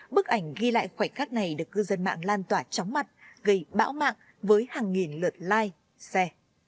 bức ảnh ghi lại khoảnh khắc này được cư dân mạng lan tỏa chóng mặt gây bão mạng với hàng nghìn lượt like share